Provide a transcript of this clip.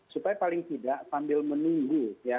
supaya paling tidak sambil menunggu ya